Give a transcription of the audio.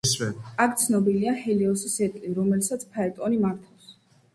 აქ ცნობილია ჰელიოსის ეტლი, რომელსაც ფაეტონი მართავს.